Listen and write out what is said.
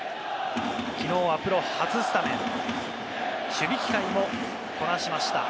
きのうはプロ初スタメン、守備機会もこなしました。